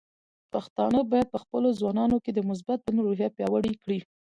پښتانه بايد په خپلو ځوانانو کې د مثبت بدلون روحیه پیاوړې کړي.